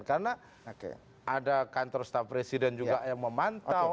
karena ada kantor staf presiden juga yang memantau